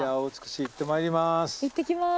行ってきます。